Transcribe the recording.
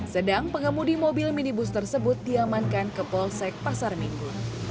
sedang pengemudi mobil minibus tersebut diamankan ke polsek pasar minggu